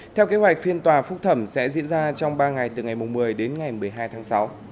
theo kế hoạch phiên tòa phúc thẩm sẽ diễn ra trong ba ngày từ ngày một mươi đến ngày một mươi hai tháng sáu